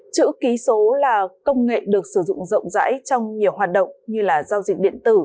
chữ ký số là công nghệ được sử dụng rộng rãi trong nhiều hoạt động như giao dịch điện tử